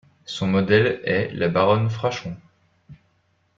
Son modèle est la baronne Frachon.